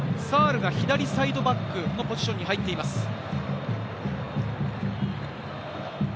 サールが左サイドバックのポジションに入っています。